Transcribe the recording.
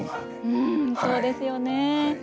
うんそうですよね。